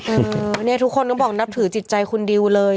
เออเนี่ยทุกคนต้องบอกนับถือจิตใจคุณดิวเลย